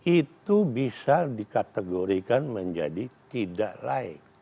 itu bisa dikategorikan menjadi tidak layak